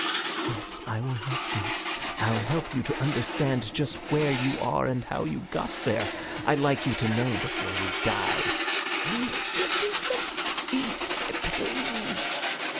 "Yes, I will help you. I'll help you to understand just where you are and how you got there. I'd like you to know before you die." "Give me something to ease my pain."